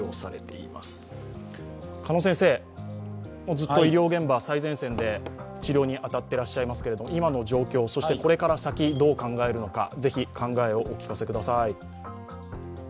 ずっと医療現場、最前線で治療に当たっていらっしゃいますが今の状況、これから先、どう考えるのかぜひ考えをお聞かせください。